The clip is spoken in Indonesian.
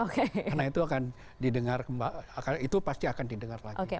karena itu pasti akan di dengar lagi